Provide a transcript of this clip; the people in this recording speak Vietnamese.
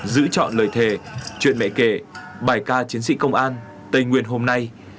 giữ chọn lời thề chuyện mẹ kể bài ca chiến sĩ công an tây nguyên hôm nay